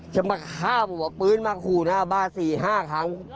จะมาฆ่าผมปืนมาโกรธหน้าบ้านสี่ห้าครั้ง